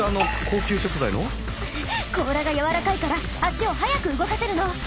甲羅がやわらかいから足を速く動かせるの。